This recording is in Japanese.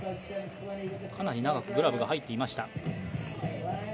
かなり長くグラブが入っていました。